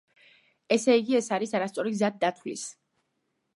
ესეიგი ეს არის არასწორი გზა დათვლის.